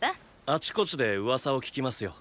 あちこちで噂を聞きますよ。